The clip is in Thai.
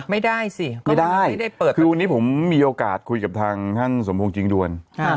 ไม่ได้สิคือวันนี้ผมมีโอกาสคุยกับทางท่านสมภงจริงดวน